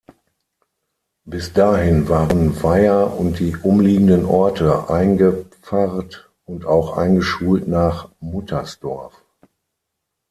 Bis dahin waren Waier und die umliegenden Orte eingepfarrt und auch eingeschult nach Muttersdorf.